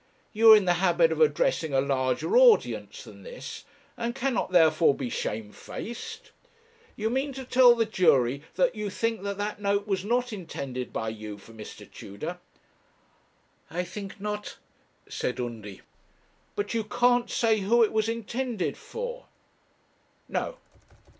You are in the habit of addressing a larger audience than this, and cannot, therefore, be shamefaced. You mean to tell the jury that you think that that note was not intended by you for Mr. Tudor?' 'I think not,' said Undy. 'But you can't say who it was intended for?' 'No.'